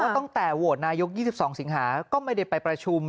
ตั้งแต่โหวตนายก๒๒สิงหาก็ไม่ได้ไปประชุม